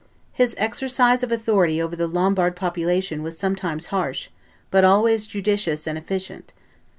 His exercise of authority over the Lombard population was sometimes harsh, but always judicious and efficient.